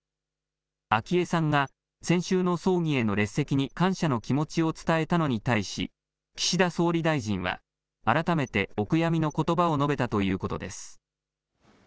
昭恵さんが先週の葬儀への列席に感謝の気持ちを伝えたのに対し、岸田総理大臣は改めてお悔やみのことばを述べたということです。